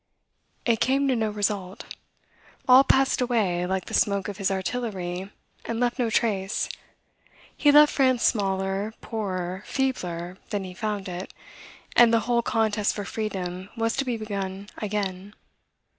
It came to no result. All passed away, like the smoke of his artillery and left no trace. He left France smaller, poorer, feebler, than he found it; and the whole contest for freedom was to be begun again.